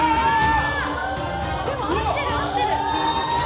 でも合ってる、合ってる！